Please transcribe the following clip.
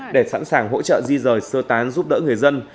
để sẵn sàng hỗ trợ di rời sơ tán giúp đỡ người dân